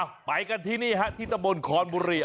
ไปกันที่นี่ฮะที่ตะบนคอนบุรี